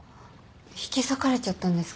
引き裂かれちゃったんですか？